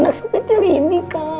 naksa kejar ini kak